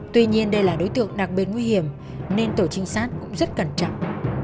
tuy nhiên đây là đối tượng đặc biệt nguy hiểm nên tổ trinh sát cũng rất cẩn trọng